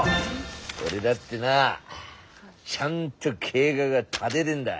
俺だってなちゃんと計画は立ででんだ。